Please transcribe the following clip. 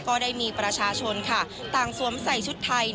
ก็ได้มีประชาชนค่ะ